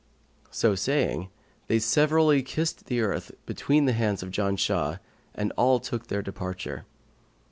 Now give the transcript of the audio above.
So saying, they severally kissed the earth between the hands of Janshah and all took their departure.